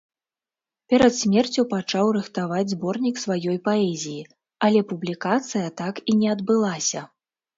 Перад смерцю пачаў рыхтаваць зборнік сваёй паэзіі, але публікацыя так і не адбылася.